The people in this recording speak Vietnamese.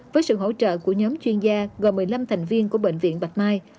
với sự hỗ trợ của nhóm chuyên gia gồm một mươi năm thành viên của bệnh viện bạch mai